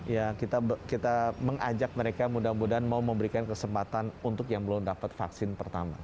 ya kita mengajak mereka mudah mudahan mau memberikan kesempatan untuk yang belum dapat vaksin pertama